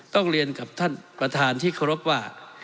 เรียนกับท่านประธานที่เคารพว่า